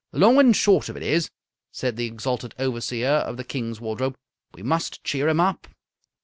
"The long and short of it is," said the Exalted Overseer of the King's Wardrobe, "we must cheer him up."